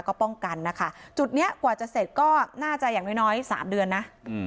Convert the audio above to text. ก็ป้องกันนะคะจุดนี้กว่าจะเสร็จก็น่าจะอย่างน้อย๓เดือนนะ